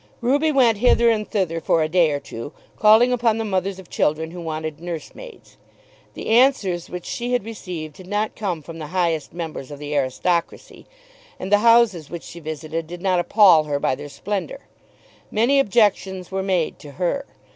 Ruby went hither and thither for a day or two, calling upon the mothers of children who wanted nursemaids. The answers which she had received had not come from the highest members of the aristocracy, and the houses which she visited did not appal her by their splendour. Many objections were made to her.